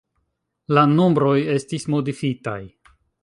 La nombroj estis modifitaj.